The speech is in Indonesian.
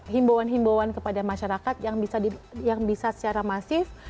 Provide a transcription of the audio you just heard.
himbauan himbauan kepada masyarakat yang bisa secara masif